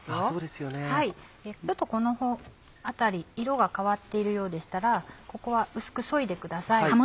ちょっとこの辺り色が変わっているようでしたらここは薄くそいでください。